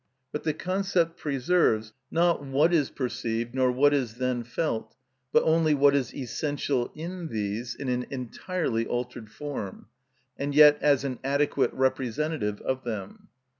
But the concept preserves, not what is perceived nor what is then felt, but only what is essential in these, in an entirely altered form, and yet as an adequate representative of them.